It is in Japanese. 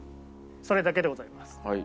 それだけでございます。